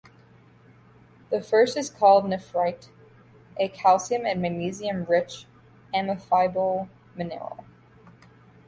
The first is called nephrite, a calcium and magnesium rich amphibole mineral.